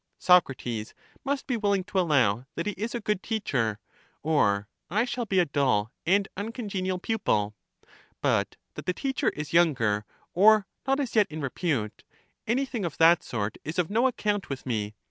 Socrates must be willing to allow that he is a good teacher, or I shall be a dull and uncongenial pupil: but that the teacher is younger, or not as yet in repute — anything of that sort is of no account with me.